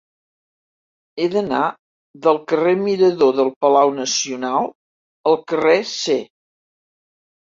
He d'anar del carrer Mirador del Palau Nacional al carrer C.